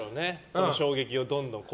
その衝撃をどんどん。